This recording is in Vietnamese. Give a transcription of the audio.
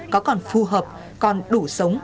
có còn phù hợp còn đủ sống